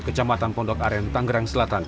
kecamatan pondok aren tanggerang selatan